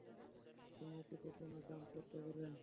তুমি অতীতে কেন জাম্প করতে গেলে?